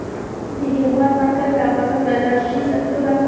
د هېواد مرکز د افغانستان د انرژۍ سکتور برخه ده.